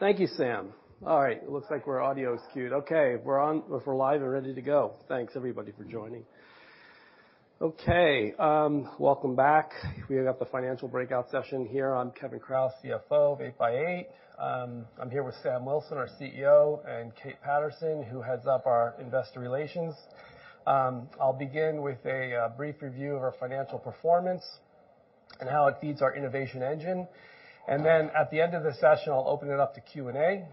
Thank you, Sam. All right, looks like we're audio is skewed. Okay, we're live and ready to go. Thanks everybody for joining. Welcome back. We have got the financial breakout session here. I'm Kevin Kraus, CFO of 8x8. I'm here with Sam Wilson, our CEO, and Kate Patterson, who heads up our Investor Relations. I'll begin with a brief review of our financial performance and how it feeds our innovation engine. At the end of the session, I'll open it up to Q&A.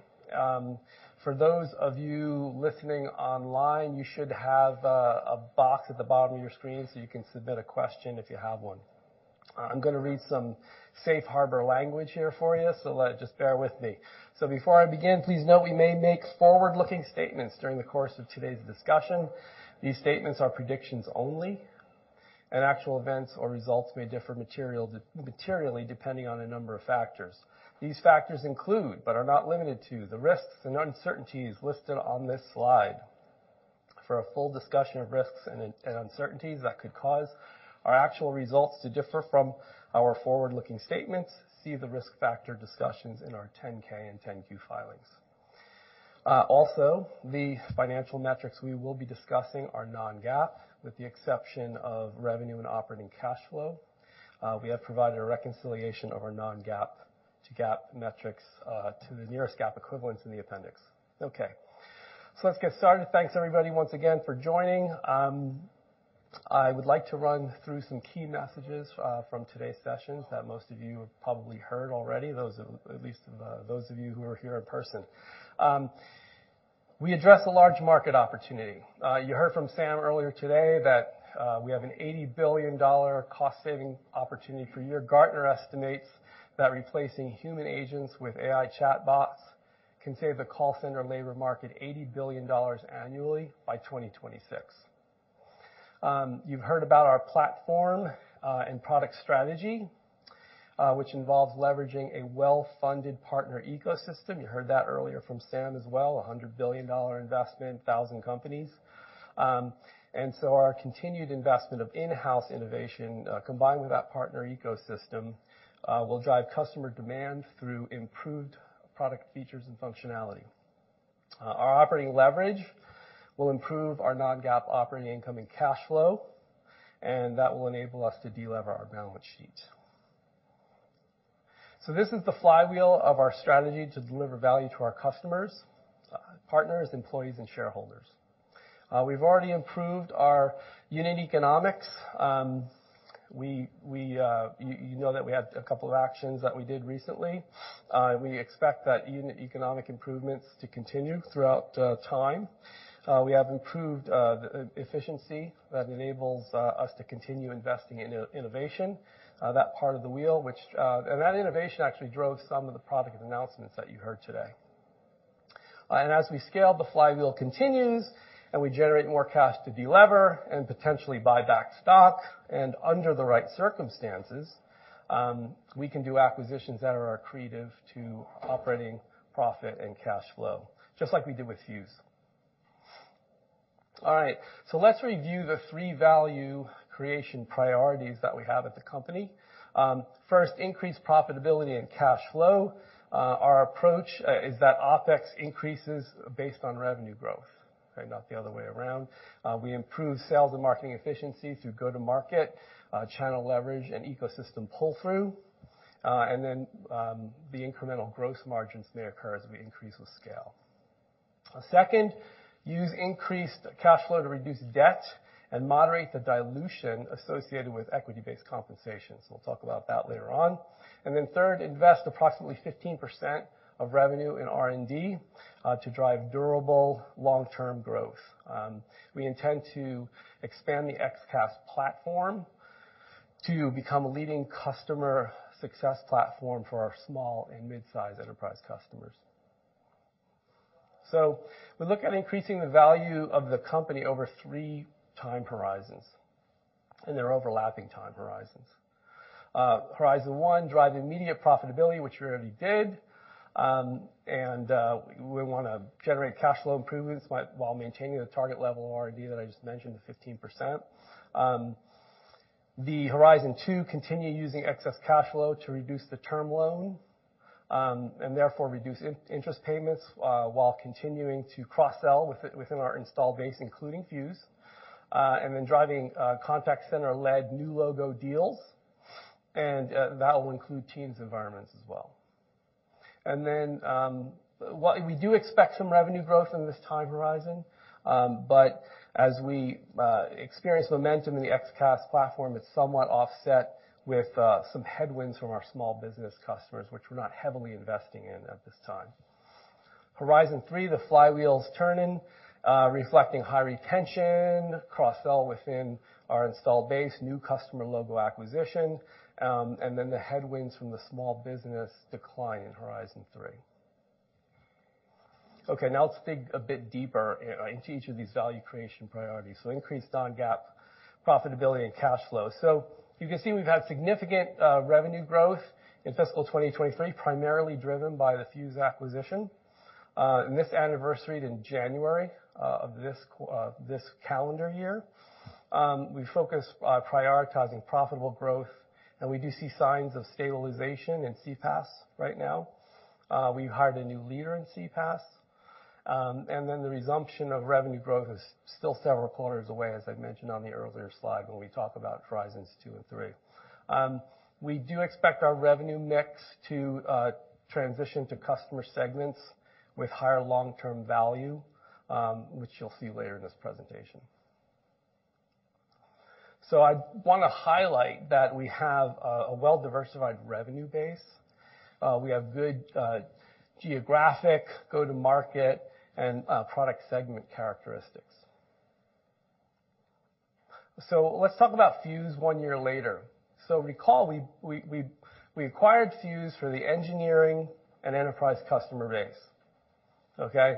For those of you listening online, you should have a box at the bottom of your screen, you can submit a question if you have one. I'm gonna read some safe harbor language here for you, just bear with me. Before I begin, please note we may make forward-looking statements during the course of today's discussion. These statements are predictions only, and actual events or results may differ materially, depending on a number of factors. These factors include, but are not limited to, the risks and uncertainties listed on this slide. For a full discussion of risks and uncertainties that could cause our actual results to differ from our forward-looking statements, see the risk factor discussions in our 10-K and 10-Q filings. Also, the financial metrics we will be discussing are non-GAAP, with the exception of revenue and operating cash flow. We have provided a reconciliation of our non-GAAP to GAAP metrics, to the nearest GAAP equivalent in the appendix. Okay. Let's get started. Thanks everybody once again for joining. I would like to run through some key messages from today's sessions that most of you have probably heard already, those of you who are here in person. We address a large market opportunity. You heard from Sam earlier today that we have an $80 billion cost saving opportunity. Gartner estimates that replacing human agents with AI chatbots can save the call center labor market $80 billion annually by 2026. You've heard about our platform and product strategy, which involves leveraging a well-funded partner ecosystem. You heard that earlier from Sam as well, a $100 billion investment, 1,000 companies. Our continued investment of in-house innovation, combined with that partner ecosystem, will drive customer demand through improved product features and functionality. Our operating leverage will improve our non-GAAP operating income and cash flow, and that will enable us to delever our balance sheet. This is the flywheel of our strategy to deliver value to our customers, partners, employees, and shareholders. We've already improved our unit economics. We, you know that we had a couple of actions that we did recently. We expect that unit economic improvements to continue throughout time. We have improved the efficiency that enables us to continue investing in innovation, that part of the wheel, which, and that innovation actually drove some of the product announcements that you heard today. As we scale, the flywheel continues, and we generate more cash to delever and potentially buy back stock. Under the right circumstances, we can do acquisitions that are accretive to operating profit and cash flow, just like we did with Fuze. All right. Let's review the three value creation priorities that we have at the company. First, increase profitability and cash flow. Our approach is that OpEx increases based on revenue growth, okay, not the other way around. We improve sales and marketing efficiency through go-to-market, channel leverage and ecosystem pull-through. Then, the incremental gross margins may occur as we increase with scale. Second, use increased cash flow to reduce debt and moderate the dilution associated with equity-based compensation. We'll talk about that later on. Third, invest approximately 15% of revenue in R&D to drive durable long-term growth. We intend to expand the XCaaS platform to become a leading customer success platform for our small and mid-size enterprise customers. We look at increasing the value of the company over three time Horizons, and they're overlapping time Horizons. Horizon one, drive immediate profitability, which we already did. We wanna generate cash flow improvements while maintaining the target level of R&D that I just mentioned, the 15%. Horizon two, continue using excess cash flow to reduce the term loan and therefore reduce in-interest payments while continuing to cross-sell within our installed base, including Fuze. Then driving contact center-led new logo deals, that will include Teams environments as well. We do expect some revenue growth in this time Horizon, but as we experience momentum in the XCaaS platform, it's somewhat offset with some headwinds from our small business customers, which we're not heavily investing in at this time. Horizon three, the flywheel's turning, reflecting high retention, cross-sell within our installed base, new customer logo acquisition, the headwinds from the small business decline in Horizon three. Let's dig a bit deeper into each of these value creation priorities. Increased non-GAAP profitability and cash flow. You can see we've had significant revenue growth in fiscal 2023, primarily driven by the Fuze acquisition. This anniversaried in January of this calendar year. We focus on prioritizing profitable growth, and we do see signs of stabilization in CPaaS right now. We hired a new leader in CPaaS. Then the resumption of revenue growth is still several quarters away, as I mentioned on the earlier slide, when we talk about Horizons two and three. We do expect our revenue mix to transition to customer segments with higher long-term value, which you'll see later in this presentation. I want to highlight that we have a well-diversified revenue base. We have good geographic, go-to-market, and product segment characteristics. Let's talk about Fuze one year later. Recall, we acquired Fuze for the engineering and enterprise customer base. Okay.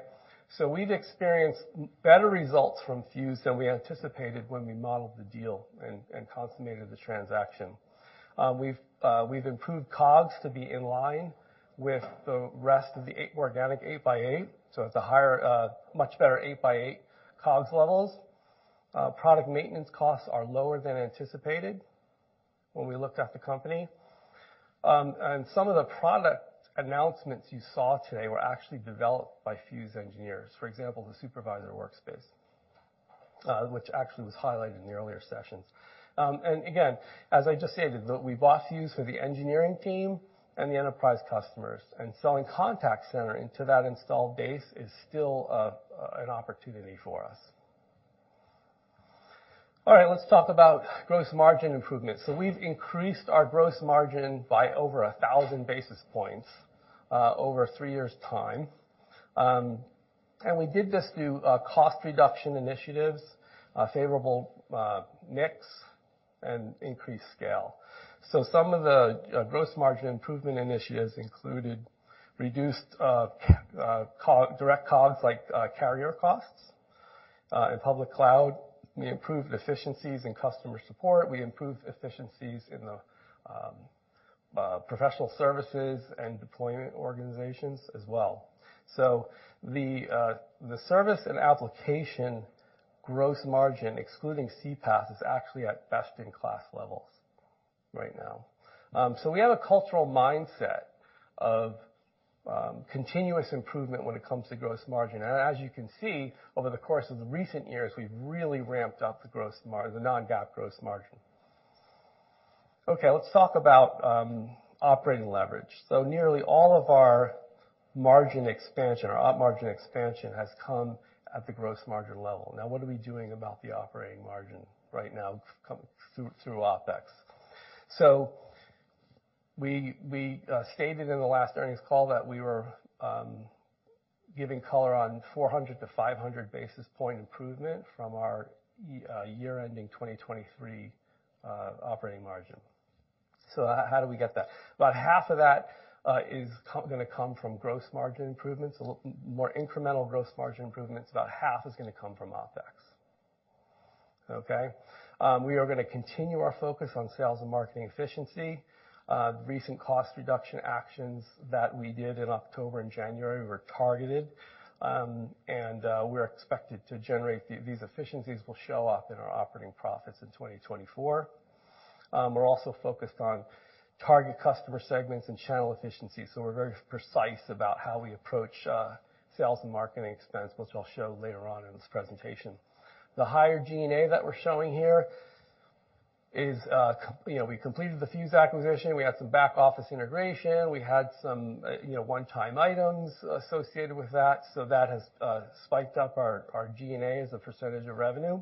We've experienced better results from Fuze than we anticipated when we modeled the deal and consummated the transaction. We've improved COGS to be in line with the rest of the organic 8x8. It's a higher, much better 8x8 COGS levels. Product maintenance costs are lower than anticipated when we looked at the company. Some of the product announcements you saw today were actually developed by Fuze engineers. For example, the Supervisor Workspace, which actually was highlighted in the earlier sessions. Again, as I just stated, we bought Fuze for the engineering team and the enterprise customers, and selling contact center into that installed base is still an opportunity for us. All right, let's talk about gross margin improvements. We've increased our gross margin by over 1,000 basis points over three years' time. We did this through cost reduction initiatives, favorable mix, and increased scale. Some of the gross margin improvement initiatives included reduced direct COGS, like carrier costs, in public cloud. We improved efficiencies in customer support. We improved efficiencies in the professional services and deployment organizations as well. The service and application gross margin, excluding CPaaS, is actually at best-in-class levels right now. We have a cultural mindset of continuous improvement when it comes to gross margin. As you can see, over the course of the recent years, we've really ramped up the non-GAAP gross margin. Let's talk about operating leverage. Nearly all of our margin expansion or op margin expansion has come at the gross margin level. What are we doing about the operating margin right now through OpEx? We stated in the last earnings call that we were giving color on 400-500 basis point improvement from our year ending 2023 operating margin. How do we get that? About half of that is gonna come from gross margin improvements, a more incremental gross margin improvements. About half is gonna come from OpEx. Okay? We are gonna continue our focus on sales and marketing efficiency. Recent cost reduction actions that we did in October and January were targeted. We're expected to generate These efficiencies will show up in our operating profits in 2024. We're also focused on target customer segments and channel efficiency, we're very precise about how we approach sales and marketing expense, which I'll show later on in this presentation. The higher G&A that we're showing here is, you know, we completed the Fuze acquisition, we had some back-office integration, we had some, you know, one-time items associated with that. That has spiked up our G&A as a percentage of revenue.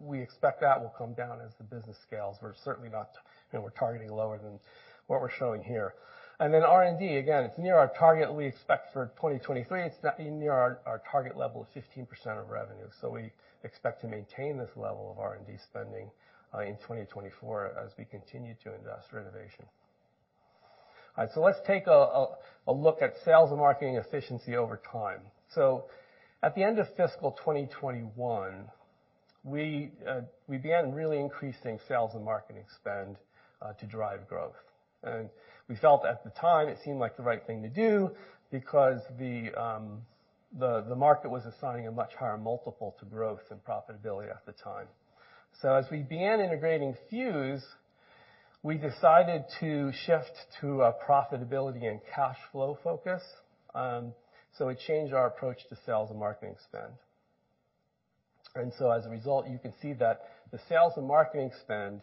We expect that will come down as the business scales. We're certainly not, you know, we're targeting lower than what we're showing here. R&D, again, it's near our target we expect for 2023. It's near our target level of 15% of revenue. We expect to maintain this level of R&D spending in 2024 as we continue to invest for innovation. All right, let's take a look at sales and marketing efficiency over time. At the end of fiscal 2021, we began really increasing sales and marketing spend to drive growth. We felt at the time it seemed like the right thing to do because the market was assigning a much higher multiple to growth and profitability at the time. As we began integrating Fuze, we decided to shift to a profitability and cash flow focus, so we changed our approach to sales and marketing spend. As a result, you can see that the sales and marketing spend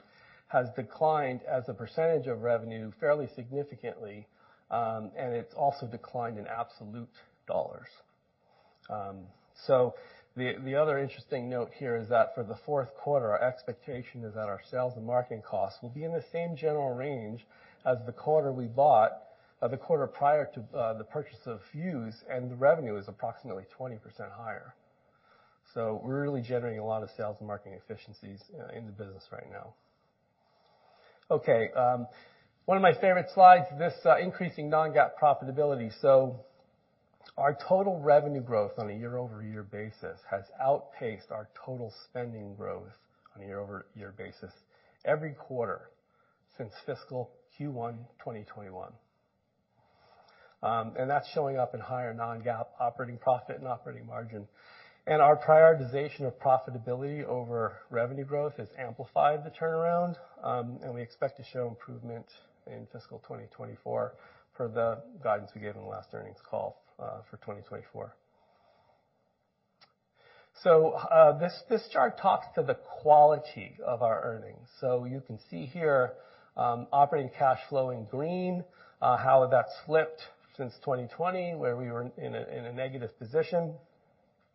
has declined as a percentage of revenue fairly significantly, and it's also declined in absolute dollars. The other interesting note here is that for the fourth quarter, our expectation is that our sales and marketing costs will be in the same general range as the quarter prior to the purchase of Fuze, and the revenue is approximately 20% higher. We're really generating a lot of sales and marketing efficiencies in the business right now. Okay, one of my favorite slides, this increasing non-GAAP profitability. Our total revenue growth on a year-over-year basis has outpaced our total spending growth on a year-over-year basis every quarter since fiscal Q1 2021. And that's showing up in higher non-GAAP operating profit and operating margin. And our priotization of profitability over revenue growth has amplified the turnaround, and we expect to show improvement in fiscal 2024 per the guidance we gave in the last earnings call for 2024. This chart talks to the quality of our earnings. You can see here, operating cash flow in green, how that slipped since 2020, where we were in a negative position.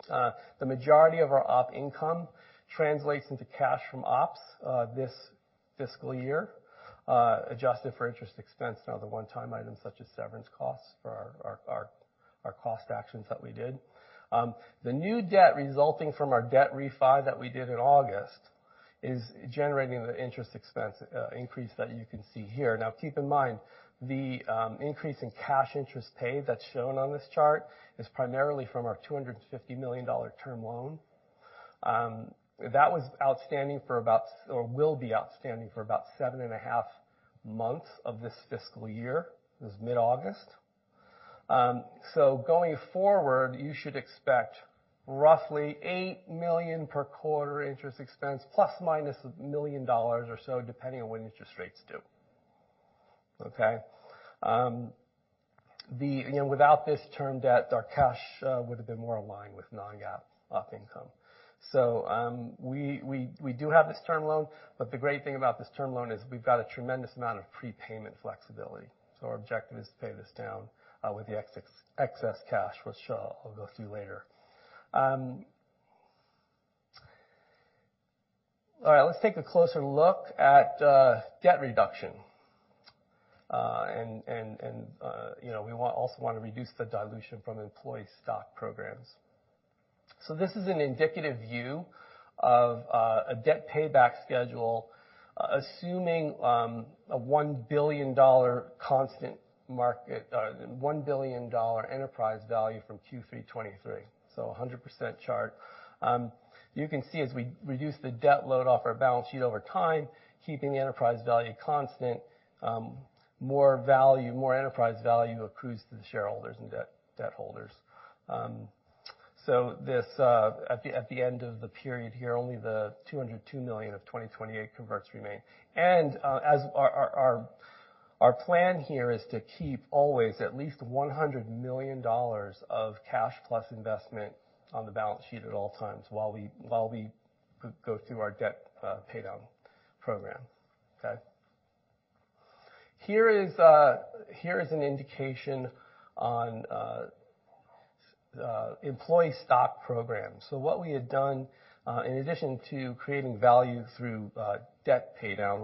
The majority of our op income translates into cash from ops this fiscal year, adjusted for interest expense and other one-time items such as severance costs for our cost actions that we did. The new debt resulting from our debt refi that we did in August is generating the interest expense increase that you can see here. Keep in mind, the increase in cash interest paid that's shown on this chart is primarily from our $250 million term loan. That will be outstanding for about 7.5 months of this fiscal year, since mid-August. Going forward, you should expect roughly $8 million per quarter interest expense, plus, minus $1 million or so, depending on what interest rates do. Okay? The, you know, without this term debt, our cash would've been more aligned with non-GAAP op income. We do have this term loan, but the great thing about this term loan is we've got a tremendous amount of prepayment flexibility. Our objective is to pay this down with the excess cash, which I'll go through later. All right, let's take a closer look at debt reduction. You know, we also want to reduce the dilution from employee stock programs. This is an indicative view of a debt payback schedule, assuming a $1 billion constant market, $1 billion enterprise value from Q3 2023. A 100% chart. You can see as we reduce the debt load off our balance sheet over time, keeping the enterprise value constant, more value, more enterprise value accrues to the shareholders and debt holders. This, at the end of the period here, only the $202 million of 2028 converts remain. As our plan here is to keep always at least $100 million of cash plus investment on the balance sheet at all times while we go through our debt paydown program. Okay? Here is an indication on employee stock programs. What we had done, in addition to creating value through debt paydown,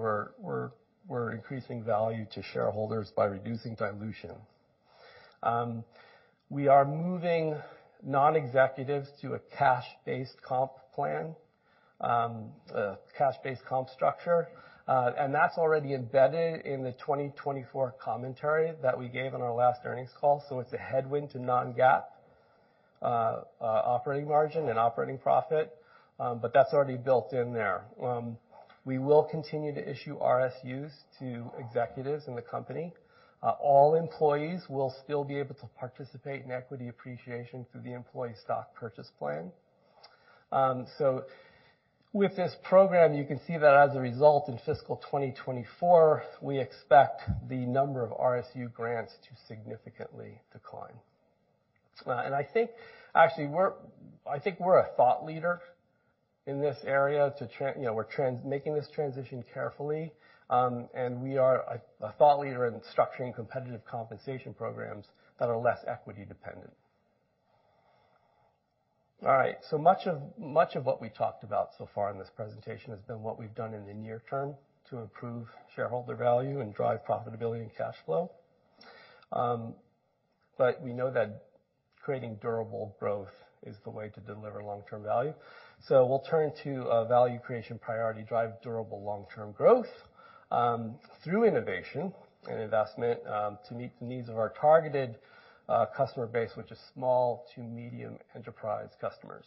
we're increasing value to shareholders by reducing dilution. We are moving non-executives to a cash-based comp plan, a cash-based comp structure. That's already embedded in the 2024 commentary that we gave in our last earnings call, so it's a headwind to non-GAAP operating margin and operating profit. That's already built in there. We will continue to issue RSUs to executives in the company. All employees will still be able to participate in equity appreciation through the employee stock purchase plan. With this program, you can see that as a result, in fiscal 2024, we expect the number of RSU grants to significantly decline. I think, actually, I think we're a thought leader in this area, you know, we're making this transition carefully. We are a thought leader in structuring competitive compensation programs that are less equity-dependent. All right. Much of what we talked about so far in this presentation has been what we've done in the near term to improve shareholder value and drive profitability and cash flow. We know that creating durable growth is the way to deliver long-term value. We'll turn to value creation priority, drive durable long-term growth through innovation and investment to meet the needs of our targeted customer base, which is small to medium enterprise customers.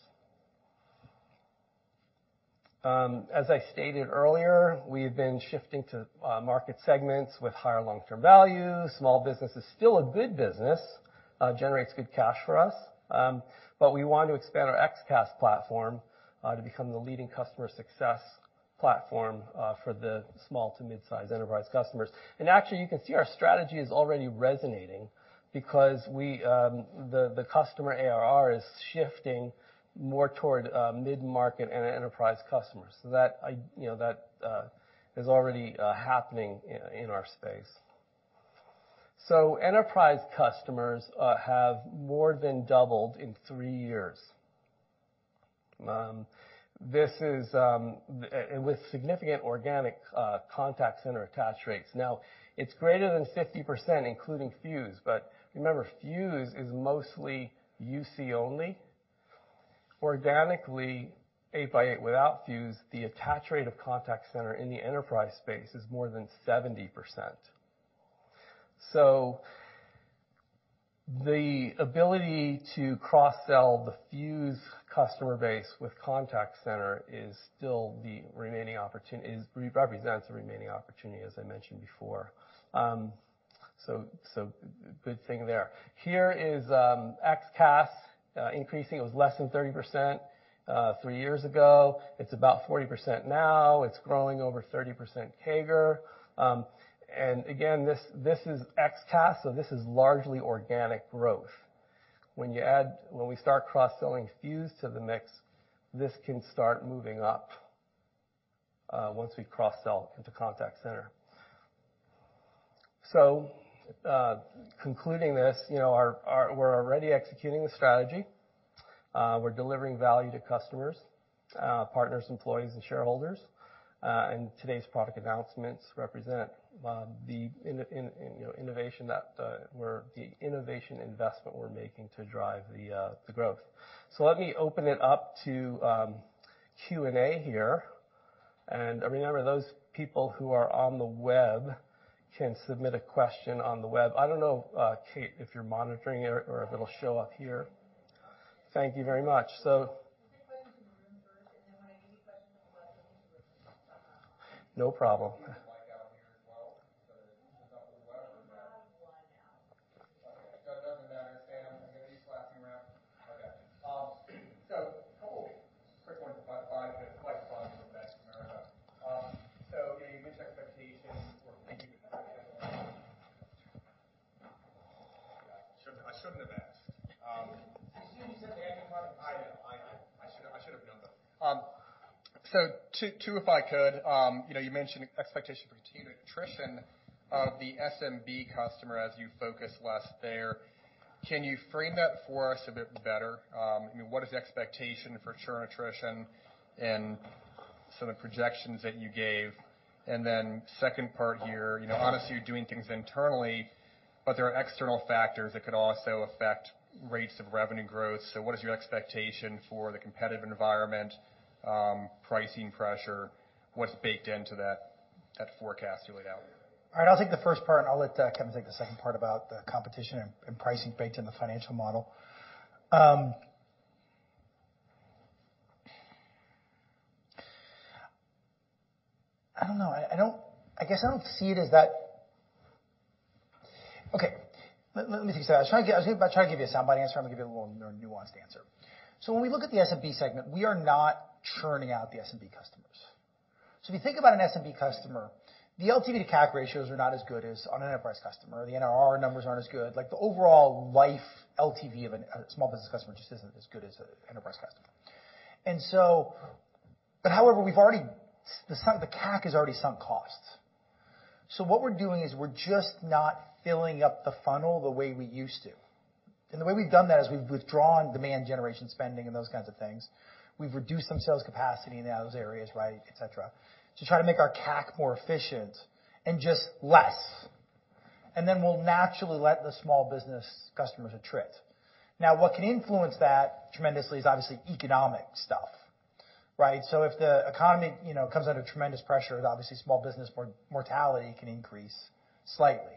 As I stated earlier, we have been shifting to market segments with higher long-term values. Small business is still a good business, generates good cash for us. We want to expand our XCaaS platform to become the leading customer success platform for the small to mid-size enterprise customers. Actually, you can see our strategy is already resonating because we, the customer ARR is shifting more toward mid-market and enterprise customers. That, I, you know, that is already happening in our space. Enterprise customers have more than doubled in three years. This is with significant organic contact center attach rates. It's greater than 50%, including Fuze. Remember, Fuze is mostly UC only. Organically, 8x8 without Fuze, the attach rate of contact center in the enterprise space is more than 70%. The ability to cross-sell the Fuze customer base with contact center is still the remaining opportunity represents a remaining opportunity, as I mentioned before. Good thing there. Here is XCaaS increasing. It was less than 30%, three years ago. It's about 40% now. It's growing over 30% CAGR. Again, this is XCaaS, so this is largely organic growth. When we start cross-selling Fuze to the mix, this can start moving up once we cross-sell into contact center. Concluding this, you know, our we're already executing the strategy. We're delivering value to customers, partners, employees, and shareholders. Today's product announcements represent, you know, innovation that the innovation investment we're making to drive the growth. Let me open it up to Q&A here. Remember, those people who are on the web can submit a question on the web. I don't know, Kate, if you're monitoring it or if it'll show up here. Thank you very much. No problem. We have one out. Okay. It doesn't matter. I'm gonna be passing around. Okay. A couple quick ones about 5, because five o'clock is the best for America. You mentioned expectations or maybe the potential. I shouldn't have asked. Excuse him, he's at the end. I know. I know. I should have known better. Two, if I could. You know, you mentioned expectation for churn attrition of the SMB customer as you focus less there. Can you frame that for us a bit better? I mean, what is the expectation for churn attrition and some of the projections that you gave? Second part here, you know, obviously, you're doing things internally, but there are external factors that could also affect rates of revenue growth. What is your expectation for the competitive environment, pricing pressure? What's baked into that forecast you laid out? All right, I'll take the first part, and I'll let Kevin take the second part about the competition and pricing baked in the financial model. I don't know. I guess I don't see it as that. Okay. Let me tell you. I try to give you a soundbite answer. I'm gonna give you a little more nuanced answer. When we look at the SMB segment, we are not churning out the SMB customers. If you think about an SMB customer, the LTV to CAC ratios are not as good as on an enterprise customer. The NRR numbers aren't as good. Like, the overall life LTV of a small business customer just isn't as good as an enterprise customer. However, we've already the CAC is already sunk cost. What we're doing is we're just not filling up the funnel the way we used to. The way we've done that is we've withdrawn demand generation spending and those kinds of things. We've reduced some sales capacity in those areas, right, et cetera, to try to make our CAC more efficient and just less. We'll naturally let the small business customers attrit. What can influence that tremendously is obviously economic stuff, right? If the economy, you know, comes under tremendous pressure, obviously small business mortality can increase slightly.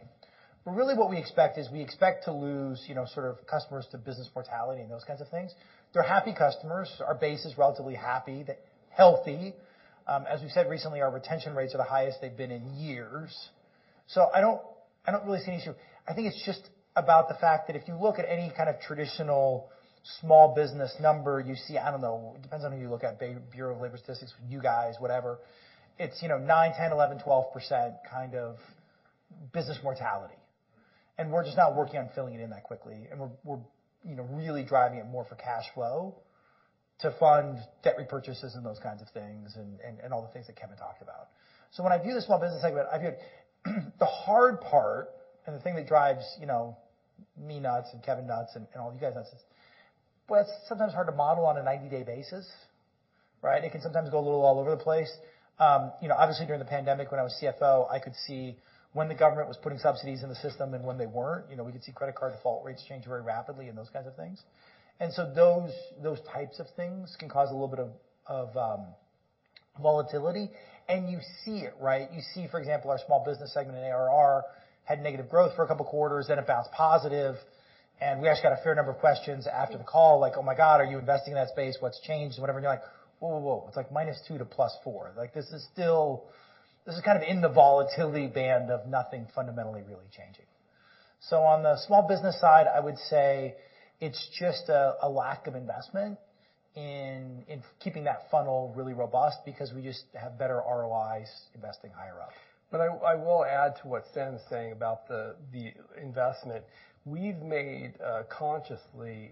Really what we expect is we expect to lose, you know, sort of customers to business mortality and those kinds of things. They're happy customers. Our base is relatively happy, they're healthy. As we said recently, our retention rates are the highest they've been in years. I don't really see an issue. I think it's just about the fact that if you look at any kind of traditional small business number, you see, I don't know, it depends on who you look at, Bureau of Labor Statistics, you guys, whatever. It's, you know, 9%, 10%, 11%, 12% kind of business mortality. We're just not working on filling it in that quickly. We're, you know, really driving it more for cash flow to fund debt repurchases and those kinds of things and all the things that Kevin talked about. When I view the small business segment, I view it. The hard part and the thing that drives, you know, me nuts and Kevin nuts and all you guys nuts is, well, it's sometimes hard to model on a 90-day basis, right? It can sometimes go a little all over the place. You know, obviously, during the pandemic when I was CFO, I could see when the government was putting subsidies in the system and when they weren't. You know, we could see credit card default rates change very rapidly and those kinds of things. So those types of things can cause a little bit of volatility. You see it, right? You see, for example, our small business segment in ARR had negative growth for a couple quarters, then it bounced positive. We actually got a fair number of questions after the call like, "Oh, my God, are you investing in that space? What's changed?" Whatever. You're like, "Whoa, whoa. It's like -2 to +4. Like, this is kind of in the volatility band of nothing fundamentally really changing. On the small business side, I would say it's just a lack of investment in keeping that funnel really robust because we just have better ROIs investing higher up. I will add to what Sam's saying about the investment. We've made consciously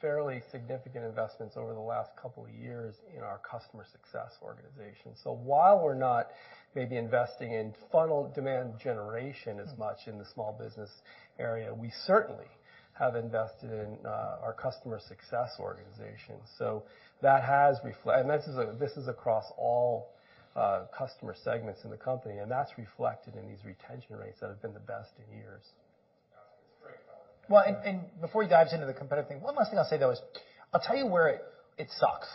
fairly significant investments over the last couple of years in our customer success organization. While we're not maybe investing in funnel demand generation as much in the small business area, we certainly have invested in our customer success organization. That has reflected. This is across all customer segments in the company, and that's reflected in these retention rates that have been the best in years. That's great. Well, and before he dives into the competitive thing, one last thing I'll say, though, is I'll tell you where it sucks.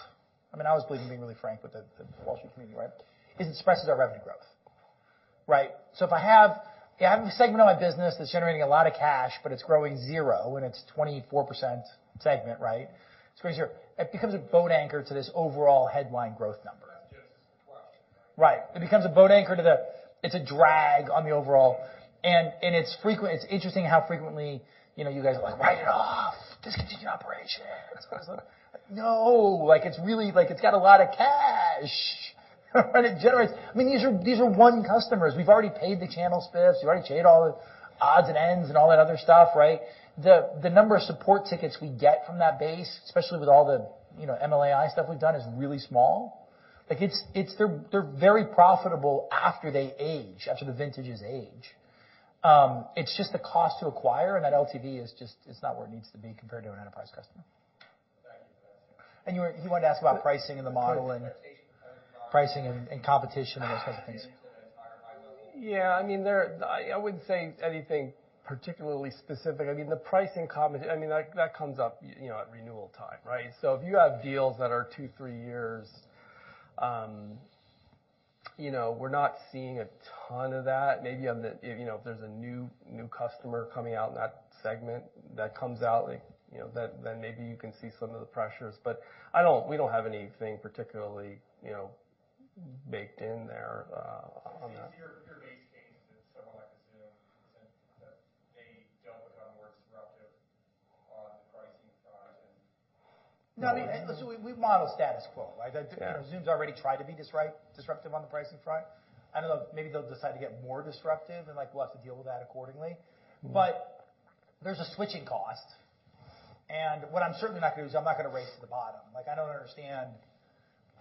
I mean, I was being really frank with the Wall Street community, right? It suppresses our revenue growth. Right. If I have, yeah, I have a segment of my business that's generating a lot of cash, but it's growing zero, and it's 24% segment, right? It's growing zero. It becomes a boat anchor to this overall headline growth number. That's just the question, right? Right. It becomes a boat anchor to the. It's a drag on the overall. It's interesting how frequently, you know, you guys are like, "Write it off. Discontinue operations." 'Cause like, no, like, it's really. Like, it's got a lot of cash, and it generates. I mean, these are one customers. We've already paid the channel spiffs. We've already paid all the odds and ends and all that other stuff, right? The number of support tickets we get from that base, especially with all the, you know, MLAI stuff we've done, is really small. Like, they're very profitable after they age, after the vintages age. It's just the cost to acquire, and that LTV is just, it's not where it needs to be compared to an enterprise customer. Thank you for that. You wanted to ask about pricing and the model and Pricing and competition and those types of things. Yeah. I mean, there, I wouldn't say anything particularly specific. I mean, the pricing, I mean, like, that comes up, you know, at renewal time, right? If you have deals that are 2, 3 years, you know, we're not seeing a ton of that. Maybe on the... If, you know, if there's a new customer coming out in that segment that comes out, like, you know, then maybe you can see some of the pressures. We don't have anything particularly, you know, baked in there on that. No, I mean, we model status quo, right? Yeah. Zoom's already tried to be disruptive on the pricing front. I don't know, maybe they'll decide to get more disruptive, and, like, we'll have to deal with that accordingly. Mm-hmm. There's a switching cost, and what I'm certainly not gonna do is I'm not gonna race to the bottom. Like, I don't understand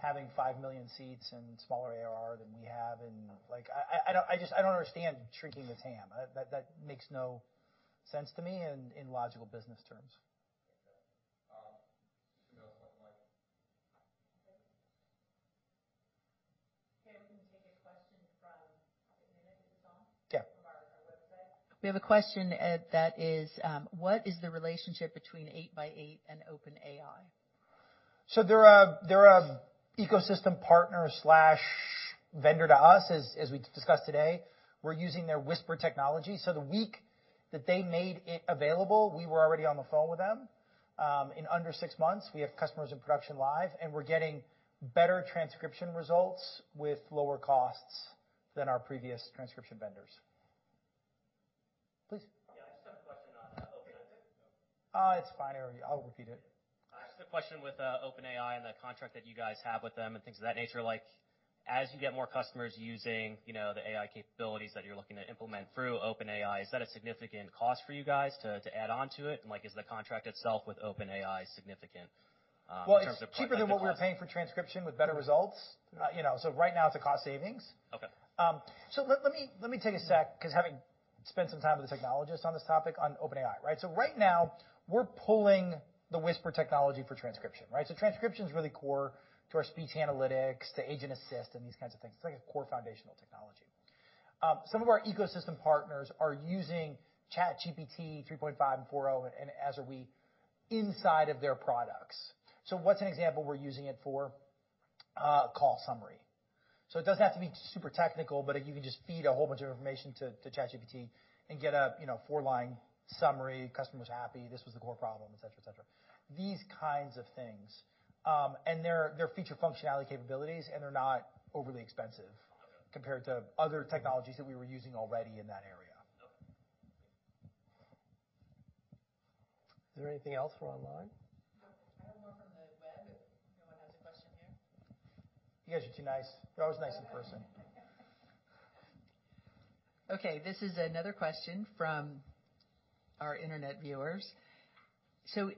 having 5 million seats and smaller ARR than we have and, like... I don't understand shrinking the TAM. That makes no sense to me in logical business terms. Okay. Okay, we can take a question from... Wait a minute. Is this on? Yeah. From our website. We have a question, that is, "What is the relationship between 8x8 and OpenAI? They're a ecosystem partner slash vendor to us, as we discussed today. We're using their Whisper technology. The week that they made it available, we were already on the phone with them. In under six months, we have customers in production live, and we're getting better transcription results with lower costs than our previous transcription vendors. Please. It's fine. I'll repeat it. I just have a question with OpenAI and the contract that you guys have with them and things of that nature. Like, as you get more customers using, you know, the AI capabilities that you're looking to implement through OpenAI, is that a significant cost for you guys to add on to it? Like, is the contract itself with OpenAI significant? Well, it's cheaper than what we were paying for transcription with better results. Okay. you know, right now it's a cost savings. Okay. Let me take a sec 'cause having spent some time with a technologist on this topic on OpenAI, right? Right now we're pulling the Whisper technology for transcription, right? Transcription's really core to our speech analytics, to agent assist, and these kinds of things. It's like a core foundational technology. Some of our ecosystem partners are using ChatGPT 3.5 and 4.0, and as are we, inside of their products. What's an example we're using it for? Call summary. It doesn't have to be super technical, but you can just feed a whole bunch of information to ChatGPT and get a, you know, four-line summary. Customer's happy. This was the core problem, et cetera, et cetera. These kinds of things. They're feature functionality capabilities, and they're not overly expensive. Okay. compared to other technologies that we were using already in that area. Okay. Is there anything else for online? You guys are too nice. You're always nice in person. Okay, this is another question from our internet viewers.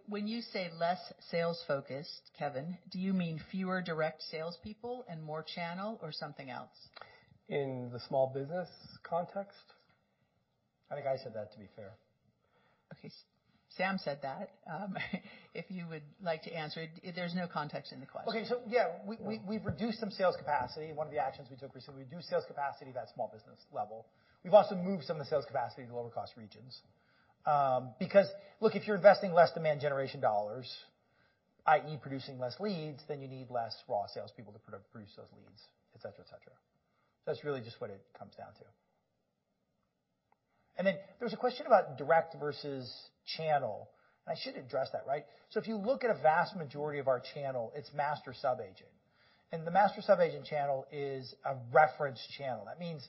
When you say less sales-focused, Kevin, do you mean fewer direct salespeople and more channel or something else? In the small business context? I think I said that, to be fair. Okay, Sam said that. If you would like to answer it. There's no context in the question. We've reduced some sales capacity. One of the actions we took, we said reduce sales capacity at that small business level. We've also moved some of the sales capacity to lower cost regions. Because look, if you're investing less demand generation dollars, i.e., producing less leads, then you need less raw salespeople to produce those leads, et cetera. That's really just what it comes down to. There's a question about direct versus channel, and I should address that, right? If you look at a vast majority of our channel, it's master sub-agent. The master sub-agent channel is a reference channel. That means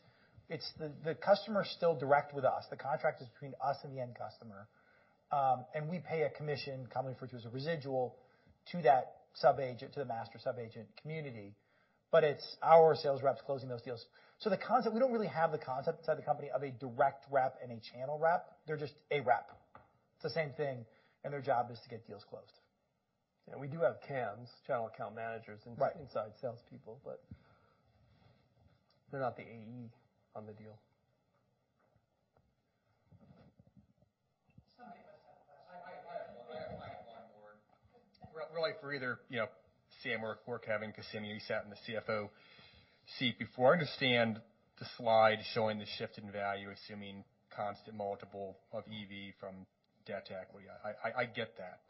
it's the customer's still direct with us. The contract is between us and the end customer. We pay a commission, commonly referred to as a residual, to that sub-agent, to the master sub-agent community, but it's our sales reps closing those deals. The concept, we don't really have the concept inside the company of a direct rep and a channel rep. They're just a rep. It's the same thing, and their job is to get deals closed. We do have CAMs, channel account managers- Right. ...inside salespeople, but they're not the AE on the deal. Somebody must have a question. I have one. I have one more. Really for either, you know, Sam or Kevin 'cause Sammy, you sat in the CFO seat before. I understand the slide showing the shift in value, assuming constant multiple of EV from debt to equity. I get that.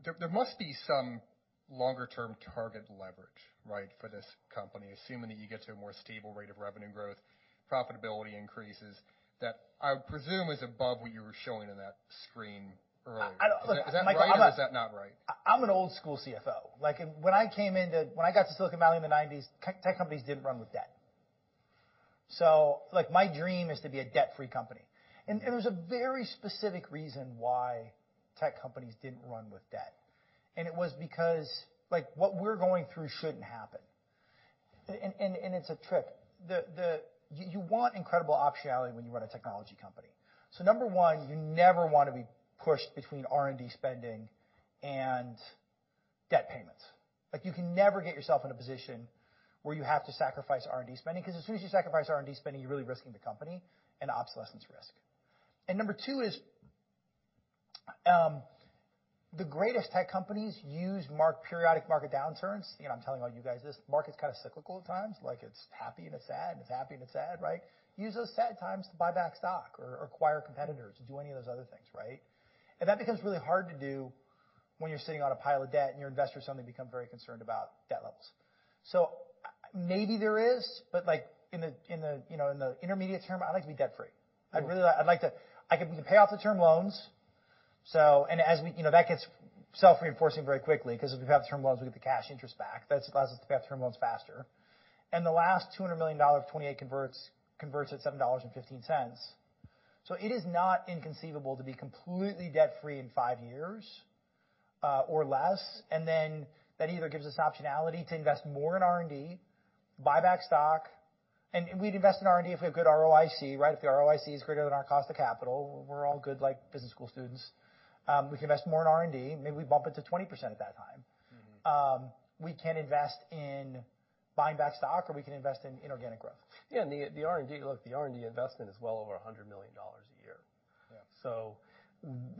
There must be some longer term target leverage, right, for this company, assuming that you get to a more stable rate of revenue growth, profitability increases, that I would presume is above what you were showing in that screen earlier. I don't Look, Michael, I'm not. Is that right or is that not right? I'm an old school CFO. Like when I got to Silicon Valley in the 1990s, tech companies didn't run with debt. Like my dream is to be a debt-free company. There's a very specific reason why tech companies didn't run with debt. It was because, like what we're going through shouldn't happen. It's a trip. You want incredible optionality when you run a technology company. Number one, you never wanna be pushed between R&D spending and debt payments. Like, you can never get yourself in a position where you have to sacrifice R&D spending, 'cause as soon as you sacrifice R&D spending, you're really risking the company and obsolescence risk. Number two is the greatest tech companies use periodic market downturns. You know, I'm telling all you guys this. Market's kinda cyclical at times. Like it's happy, and it's sad, and it's happy, and it's sad, right? Use those sad times to buy back stock or acquire competitors or do any of those other things, right? That becomes really hard to do when you're sitting on a pile of debt and your investors suddenly become very concerned about debt levels. Maybe there is, but like in the, you know, in the intermediate term, I'd like to be debt-free. I'd really like to. We can pay off the term loans. As we, you know, that gets self-reinforcing very quickly, 'cause if we have the term loans, we get the cash interest back. That allows us to pay off term loans faster. The last $200 million of 2028 converts at $7.15. It is not inconceivable to be completely debt-free in five years or less. That either gives us optionality to invest more in R&D, buy back stock, and we'd invest in R&D if we have good ROIC, right? If the ROIC is greater than our cost of capital, we're all good, like business school students. We can invest more in R&D, maybe we bump it to 20% at that time. Mm-hmm. We can invest in buying back stock, or we can invest in inorganic growth. Yeah. Look, the R&D investment is well over $100 million a year. Yeah.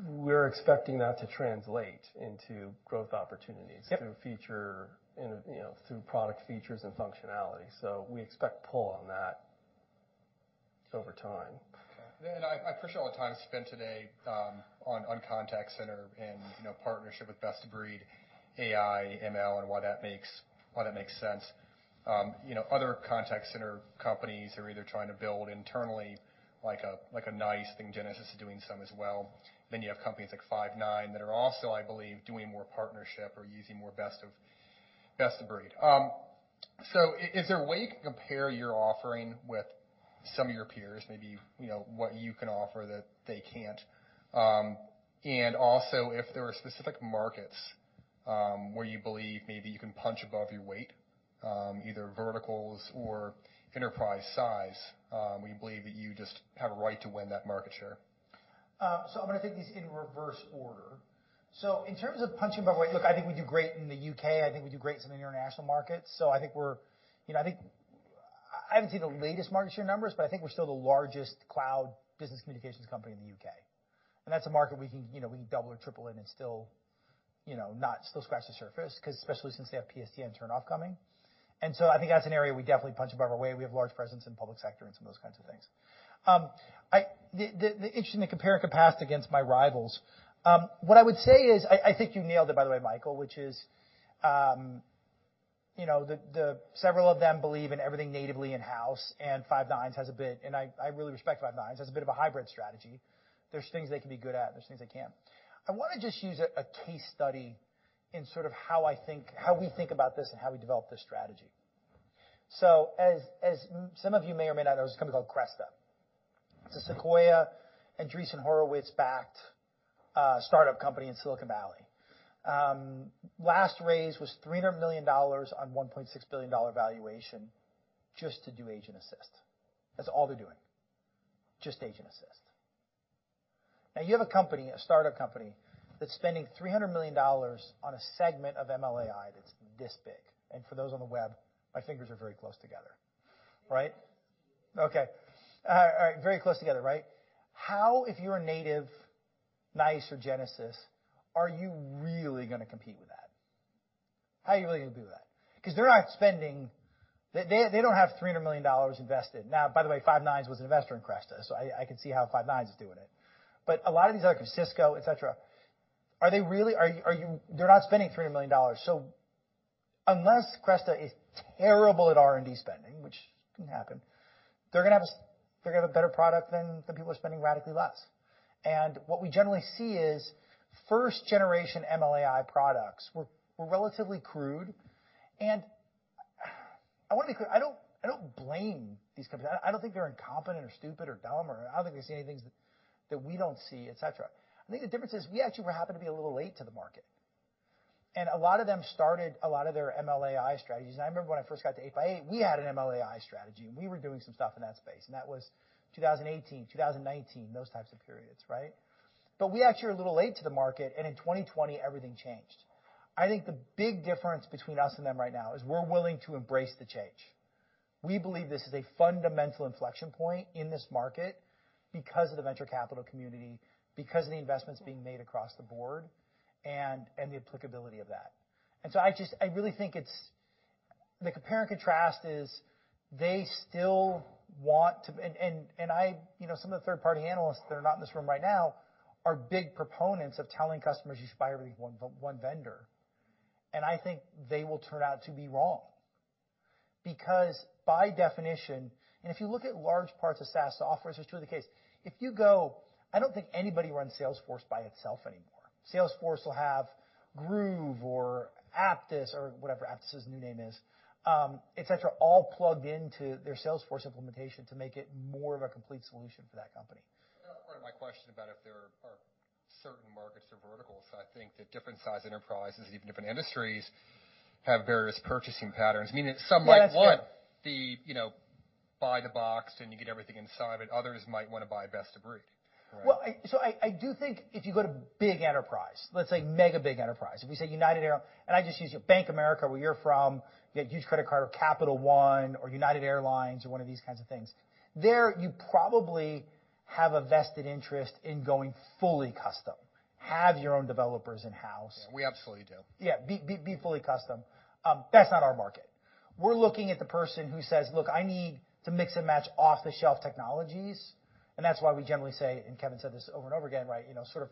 We're expecting that to translate into growth opportunities- Yep.... Through feature, in, you know, through product features and functionality. We expect pull on that over time. Okay. I appreciate all the time spent today on contact center and, you know, partnership with best of breed AI, ML, and why that makes sense. You know, other contact center companies are either trying to build internally like a NiCE thing. Genesys is doing some as well. You have companies like Five9 that are also, I believe, doing more partnership or using more best of breed. Is there a way you can compare your offering with some of your peers, maybe, you know, what you can offer that they can't? Also if there are specific markets where you believe maybe you can punch above your weight, either verticals or enterprise size, where you believe that you just have a right to win that market share. I'm gonna take these in reverse order. In terms of punching above our weight, look, I think we do great in the U.K. I think we do great in some international markets. I think we're, you know, I haven't seen the latest market share numbers, but I think we're still the largest cloud business communications company in the U.K. That's a market we can, you know, we can double or triple in and still, you know, not still scratch the surface 'cause especially since they have PSTN turnoff coming. I think that's an area we definitely punch above our weight. We have large presence in public sector and some of those kinds of things. The interesting to compare and contrast against my rivals. What I would say is I think you nailed it by the way, Michael, which is, you know, several of them believe in everything natively in-house, and I really respect Five9's, has a bit of a hybrid strategy. There's things they can be good at, and there's things they can't. I wanna just use a case study in sort of how I think, how we think about this and how we develop this strategy. As some of you may or may not know, there's a company called Cresta. It's a Sequoia and Andreessen Horowitz backed startup company in Silicon Valley. Last raise was $300 million on $1.6 billion valuation just to do agent assist. That's all they're doing, just agent assist. You have a company, a startup company, that's spending $300 million on a segment of MLAI that's this big. For those on the web, my fingers are very close together, right? Very close together, right? How, if you're a native NiCE or Genesys, are you really gonna compete with that? How are you really gonna do that? Because they're not spending. They don't have $300 million invested. By the way, Five9 was an investor in Cresta, so I could see how Five9 is doing it. A lot of these other, like Cisco, et cetera, are they really? They're not spending $300 million. Unless Cresta is terrible at R&D spending, which can happen, they're gonna have a better product than people are spending radically less. What we generally see is first generation MLAI products were relatively crude. I wanna be clear, I don't blame these companies. I don't think they're incompetent or stupid or dumb, or I don't think they see any things that we don't see, et cetera. I think the difference is we actually happen to be a little late to the market, and a lot of them started a lot of their MLAI strategies. I remember when I first got to 8x8, we had an MLAI strategy, and we were doing some stuff in that space, and that was 2018, 2019, those types of periods, right? We actually are a little late to the market, and in 2020, everything changed. I think the big difference between us and them right now is we're willing to embrace the change. We believe this is a fundamental inflection point in this market because of the venture capital community, because of the investments being made across the board and the applicability of that. I really think the compare and contrast is they still want to. I, you know, some of the third-party analysts that are not in this room right now are big proponents of telling customers, "You should buy everything one v-one vendor." I think they will turn out to be wrong. By definition, and if you look at large parts of SaaS offers, it's truly the case. If you go, I don't think anybody runs Salesforce by itself anymore. Salesforce will have Groove or Apttus or whatever Apttus new name is, et cetera, all plugged into their Salesforce implementation to make it more of a complete solution for that company. That was part of my question about if there are certain markets or verticals. I think that different sized enterprises, even different industries, have various purchasing patterns. I mean, some might want the, you know, buy the box and you get everything inside, but others might wanna buy best of breed, right? I do think if you go to big enterprise, let's say mega big enterprise, I just use your Bank America, where you're from, you got huge credit card, or Capital One or United Airlines or one of these kinds of things. There, you probably have a vested interest in going fully custom, have your own developers in-house. Yeah, we absolutely do. Yeah. Be fully custom. That's not our market. We're looking at the person who says, "Look, I need to mix and match off-the-shelf technologies," that's why we generally say, and Kevin said this over and over again, right, you know, sort of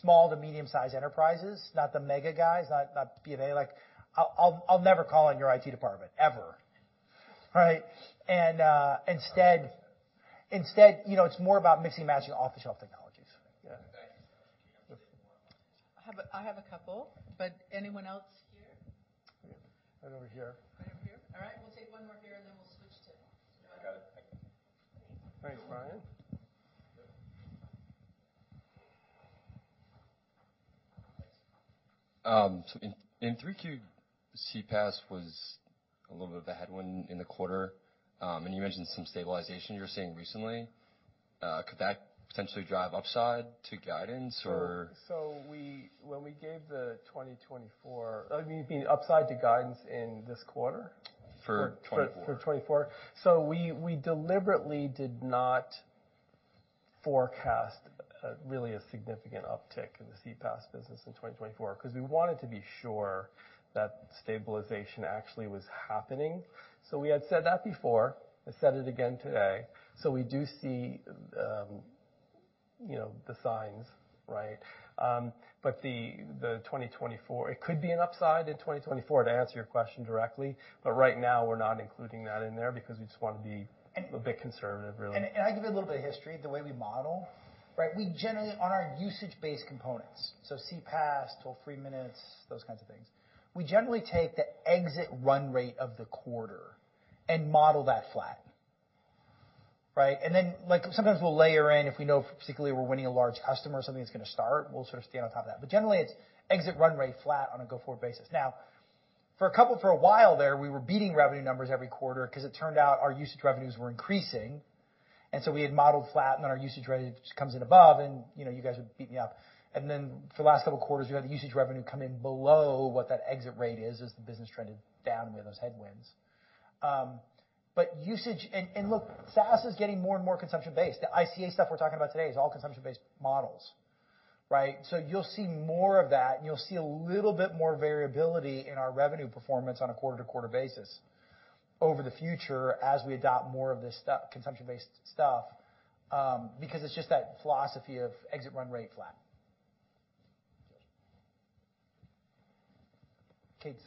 small to medium sized enterprises, not the mega guys, not B of A. Like, I'll never call on your IT department, ever, right? Instead, you know, it's more about mixing and matching off-the-shelf technologies. Yeah. Okay. I have a couple, but anyone else here? Right over here. Right over here. All right. We'll take one more here, and then we'll switch to I got it. Thanks, Ryan. In 3Q, CPaaS was a little bit of a headwind in the quarter. You mentioned some stabilization you were seeing recently. Could that potentially drive upside to guidance or? When we gave the 2024, I mean, you mean upside to guidance in this quarter? For 2024. For 2024. We deliberately did not forecast really a significant uptick in the CPaaS business in 2024, 'cause we wanted to be sure that stabilization actually was happening. We had said that before. I said it again today. We do see, you know, the signs, right? The 2024, it could be an upside in 2024, to answer your question directly. Right now, we're not including that in there because we just wanna be a bit conservative, really. I give you a little bit of history, the way we model, right. We generally on our usage-based components, so CPaaS, toll-free minutes, those kinds of things, we generally take the exit run rate of the quarter and model that flat, right. Then, like, sometimes we'll layer in if we know particularly we're winning a large customer or something that's gonna start, we'll sort of stay on top of that. But generally, it's exit run rate flat on a go-forward basis. Now, for a while there, we were beating revenue numbers every quarter 'cause it turned out our usage revenues were increasing. So we had modeled flat, then our usage revenue just comes in above, and, you know, you guys would beat me up. For the last several quarters, we had the usage revenue come in below what that exit rate is as the business trended down. We had those headwinds. Usage. Look, SaaS is getting more and more consumption-based. The ICA stuff we're talking about today is all consumption-based models, right? You'll see more of that, and you'll see a little bit more variability in our revenue performance on a quarter-to-quarter basis over the future as we adopt more of this stuff, consumption-based stuff, because it's just that philosophy of exit run rate flat. Kate. Thank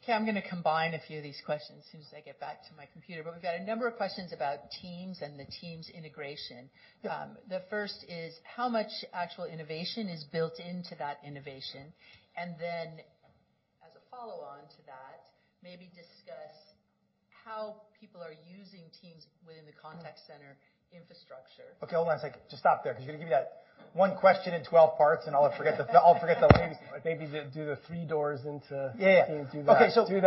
you. Okay, I'm gonna combine a few of these questions as soon as I get back to my computer, but we've got a number of questions about Teams and the Teams integration. Yeah. The first is how much actual innovation is built into that innovation? As a follow-on to that, maybe discuss how people are using Teams within the contact center infrastructure. Okay, hold on a second. Just stop there 'cause you're gonna give me that one question in 12 parts, and I'll forget the whole thing. Maybe do the three doors into- Yeah, yeah. Teams. Do that. Okay. Do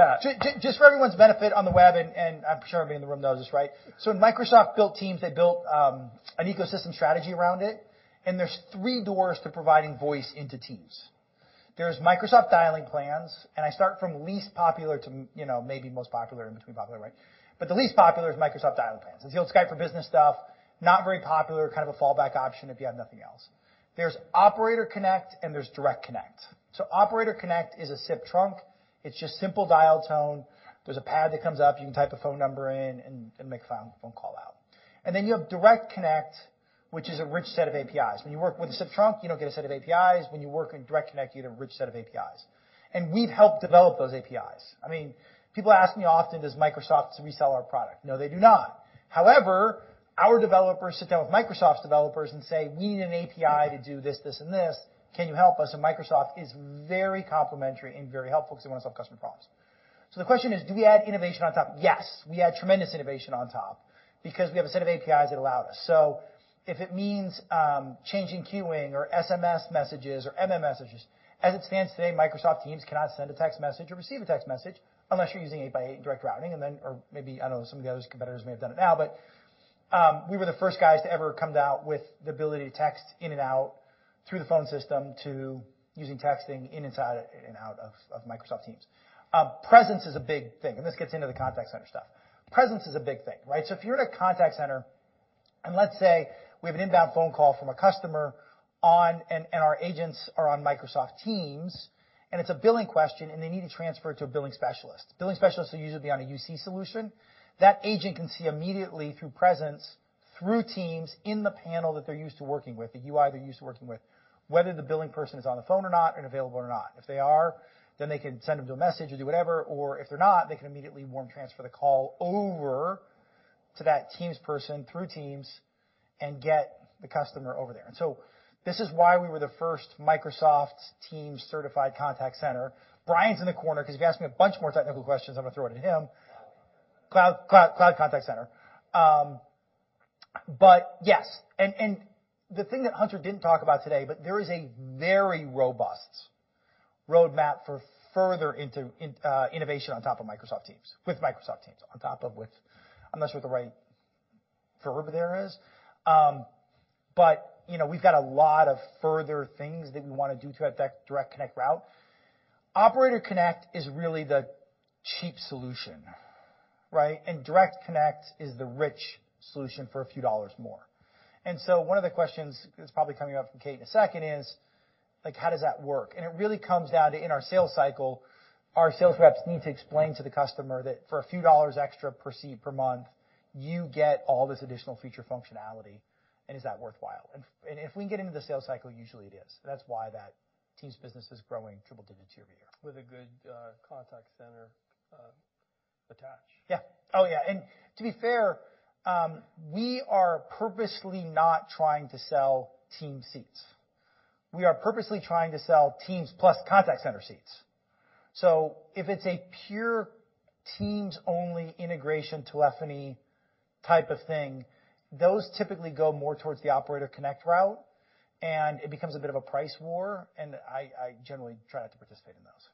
that. Just for everyone's benefit on the web, and I'm sure everybody in the room knows this, right? When Microsoft built Teams, they built an ecosystem strategy around it, and there's three doors to providing voice into Teams. There's Microsoft dialing plans, and I start from least popular to, you know, maybe most popular, in between popular, right? The least popular is Microsoft dialing plans. It's the old Skype for Business stuff. Not very popular, kind of a fallback option if you have nothing else. There's Operator Connect, and there's Direct Connect. Operator Connect is a SIP trunk. It's just simple dial tone. There's a pad that comes up. You can type a phone number in and make a phone call out. Then you have Direct Connect, which is a rich set of APIs. When you work with a SIP trunk, you don't get a set of APIs. When you work in Direct Connect, you get a rich set of APIs. We've helped develop those APIs. I mean, people ask me often, "Does Microsoft resell our product?" No, they do not. However, our developers sit down with Microsoft's developers and say, "We need an API to do this, and this. Can you help us?" Microsoft is very complimentary and very helpful 'cause they wanna solve customer problems. The question is, do we add innovation on top? Yes, we add tremendous innovation on top because we have a set of APIs that allow us. If it means changing queuing or SMS messages or MMS messages, as it stands today, Microsoft Teams cannot send a text message or receive a text message unless you're using 8x8 Direct Connect and then, or maybe, I don't know, some of the other competitors may have done it now. We were the first guys to ever come out with the ability to text in and out through the phone system to using texting in inside and out of Microsoft Teams. Presence is a big thing, and this gets into the contact center stuff. Presence is a big thing, right? If you're at a contact center. And let's say we have an inbound phone call from a customer on and our agents are on Microsoft Teams, and it's a billing question, and they need to transfer to a billing specialist. Billing specialists will usually be on a UC solution. That agent can see immediately through presence, through Teams in the panel that they're used to working with, the UI they're used to working with, whether the billing person is on the phone or not and available or not. If they are, then they can send them to a message or do whatever. If they're not, they can immediately warm transfer the call over to that Teams person through Teams and get the customer over there. This is why we were the first Microsoft Teams certified contact center. Brian's in the corner, 'cause if you ask me a bunch more technical questions, I'm gonna throw it to him. Cloud contact center. Yes, and the thing that Hunter didn't talk about today, but there is a very robust roadmap for further into innovation on top of Microsoft Teams. I'm not sure what the right verb there is. You know, we've got a lot of further things that we wanna do to have that Direct Connect route. Operator Connect is really the cheap solution, right? Direct Connect is the rich solution for a few dollars more. One of the questions is probably coming up from Kate in a second is, like, how does that work? It really comes down to in our sales cycle, our sales reps need to explain to the customer that for a few dollars extra per seat, per month, you get all this additional feature functionality, and is that worthwhile? If we can get into the sales cycle, usually it is. That's why that Teams business is growing triple digit year-over-year. With a good, contact center, attached. Yeah. Oh, yeah. To be fair, we are purposely not trying to sell Teams seats. We are purposely trying to sell Teams plus contact center seats. If it's a pure Teams-only integration telephony type of thing, those typically go more towards the Operator Connect route, and it becomes a bit of a price war, and I generally try not to participate in those.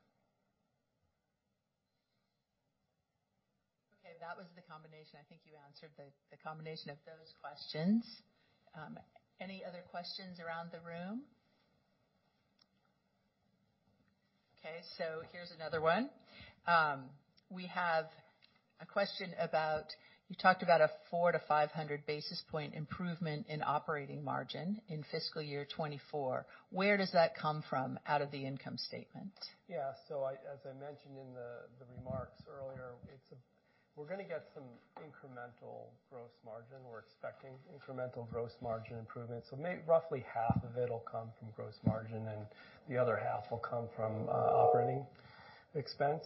That was the combination. I think you answered the combination of those questions. Any other questions around the room? Here's another one. We have a question about, you talked about a 400-500 basis point improvement in operating margin in fiscal year 2024. Where does that come from out of the income statement? As I mentioned in the remarks earlier, we're gonna get some incremental gross margin. We're expecting incremental gross margin improvements. Roughly half of it will come from gross margin, and the other half will come from operating expense.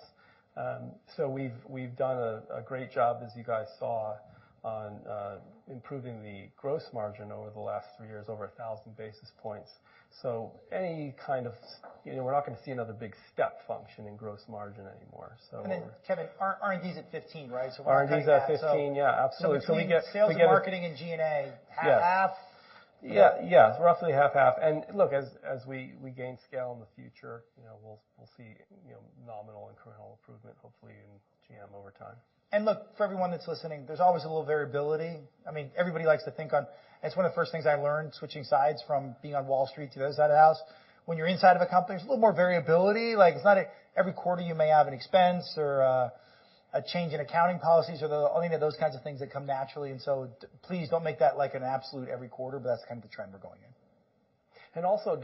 We've done a great job, as you guys saw, on improving the gross margin over the last three years, over 1,000 basis points. You know, we're not gonna see another big step function in gross margin anymore. Kevin, R&D's at 15%, right? So we're gonna take that. R&D is at 15, yeah. Absolutely. We get. between sales and marketing and G&A. Yeah. Half, half? Yeah, yeah. Roughly 50/50. Look, as we gain scale in the future, you know, we'll see, you know, nominal incremental improvement, hopefully in GM over time. Look, for everyone that's listening, there's always a little variability. I mean, everybody likes to think. It's one of the first things I learned, switching sides from being on Wall Street to the other side of the house. When you're inside of a company, there's a little more variability. Like, it's not every quarter you may have an expense or a change in accounting policies. I think that those kinds of things that come naturally. Please don't make that, like, an absolute every quarter, but that's kind of the trend we're going in. Also,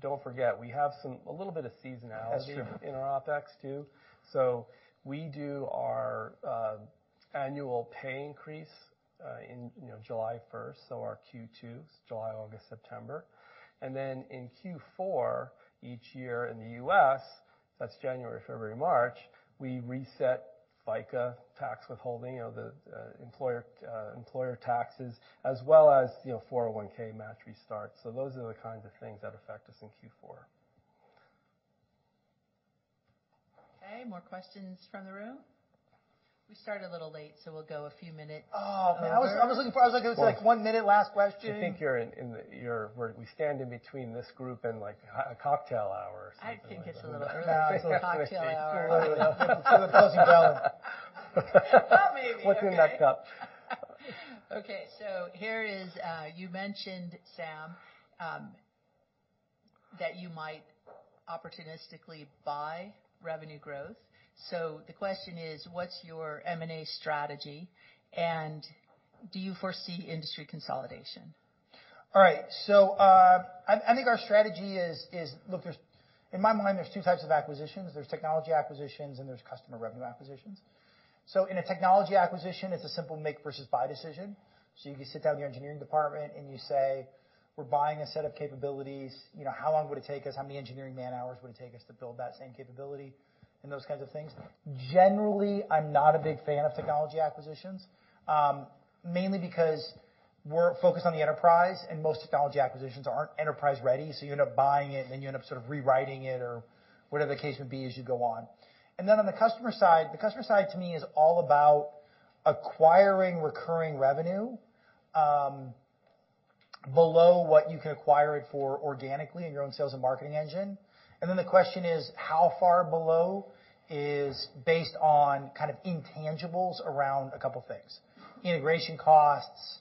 don't forget, we have a little bit of seasonality. That's true. in our OpEx too. We do our annual pay increase, in, you know, July 1st, so our Q2, July, August, September. In Q4, each year in the U.S., that's January, February, March, we reset FICA tax withholding of the employer taxes, as well as, you know, 401 match restarts. Those are the kinds of things that affect us in Q4. Okay. More questions from the room? We started a little late, so we'll go a few minutes over. Oh, man. I was like, it was, like, one minute last question. You think you're in, we stand in between this group and, like, a cocktail hour or something. I think it's a little early for a cocktail hour. For the $1,000. Well, maybe. Okay. What's in that cup? Here is. You mentioned, Sam, that you might opportunistically buy revenue growth. The question is: what's your M&A strategy, and do you foresee industry consolidation? All right. I think our strategy is, look, in my mind, there's two types of acquisitions. There's technology acquisitions, and there's customer revenue acquisitions. In a technology acquisition, it's a simple make versus buy decision. You can sit down with your engineering department and you say, "We're buying a set of capabilities, you know, how long would it take us? How many engineering man-hours would it take us to build that same capability?" and those kinds of things. Generally, I'm not a big fan of technology acquisitions, mainly because we're focused on the enterprise, and most technology acquisitions aren't enterprise-ready, so you end up buying it, and then you end up sort of rewriting it or whatever the case may be as you go on. On the customer side, the customer side to me is all about acquiring recurring revenue below what you can acquire it for organically in your own sales and marketing engine. The question is, how far below is based on kind of intangibles around a couple things. Integration costs,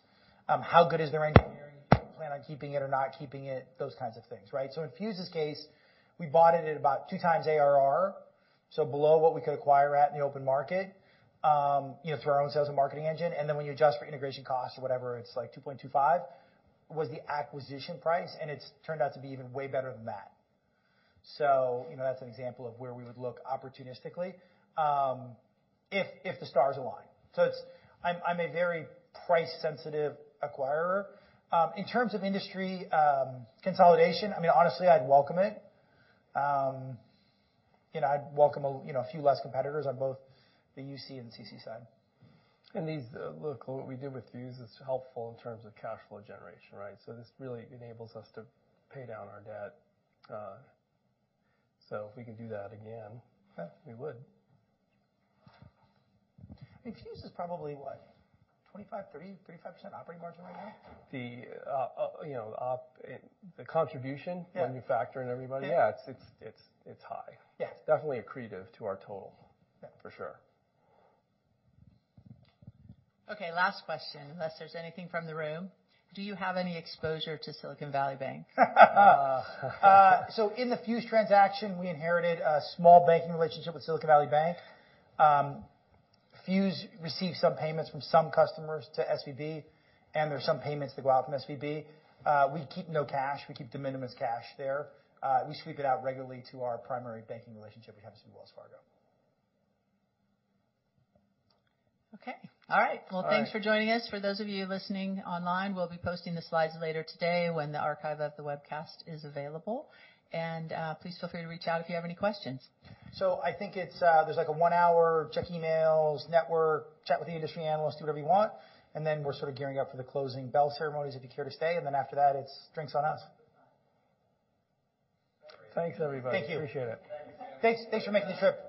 how good is their engineering-Plan on keeping it or not keeping it, those kinds of things, right? In Fuze's case, we bought it at about 2x ARR, so below what we could acquire at in the open market, you know, through our own sales and marketing engine, and then when you adjust for integration costs or whatever, it's like 2.25 was the acquisition price, and it's turned out to be even way better than that. You know, that's an example of where we would look opportunistically, if the stars align. I'm a very price-sensitive acquirer. In terms of industry, consolidation, I mean, honestly, I'd welcome it. You know, I'd welcome a, you know, a few less competitors on both the UC and CC side. Look, what we did with Fuze is helpful in terms of cash flow generation, right? This really enables us to pay down our debt. If we could do that again- Yeah. We would. I mean, Fuze is probably what? 25%, 30%, 35% operating margin right now. The, uh, uh, you know, op... The contribution- Yeah. When you factor in everybody. Yeah. Yeah, it's high. Yes. Definitely accretive to our total. Yeah. For sure. Okay, last question, unless there's anything from the room. Do you have any exposure to Silicon Valley Bank? Uh. In the Fuze transaction, we inherited a small banking relationship with Silicon Valley Bank. Fuze received some payments from some customers to SVB, and there's some payments that go out from SVB. We keep no cash. We keep de minimis cash there. We sweep it out regularly to our primary banking relationship we have through Wells Fargo. Okay. All right. All right. Well, thanks for joining us. For those of you listening online, we'll be posting the slides later today when the archive of the webcast is available. Please feel free to reach out if you have any questions. I think it's, there's like a one-hour check emails, network, chat with the industry analysts, do whatever you want, and then we're sort of gearing up for the closing bell ceremonies if you care to stay. After that, it's drinks on us. Thanks, everybody. Thank you. Appreciate it. Thanks, thanks for making the trip.